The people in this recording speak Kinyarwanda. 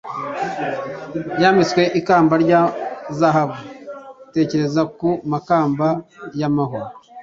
Yambitswe ikamba rya zahabu tekereza ku makamba y'amahwa